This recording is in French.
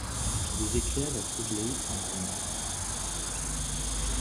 Des éclairs la troublaient en grondant.